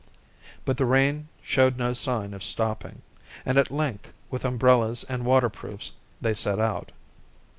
But the rain showed no sign of stopping, and at length with umbrellas and waterproofs they set out.